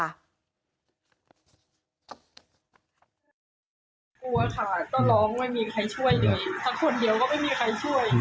กลัวค่ะก็ร้องไม่มีใครช่วยเลยถ้าคนเดียวก็ไม่มีใครช่วย